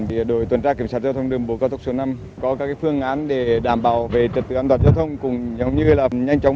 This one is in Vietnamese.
với mục tiêu cao nhất là đảm bảo an toàn tính mạng